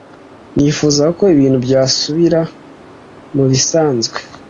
Nifuzaga ko ibintu byasubira mubisanzwe.